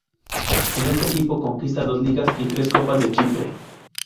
Con este equipo conquista dos Ligas y tres Copas de Chipre.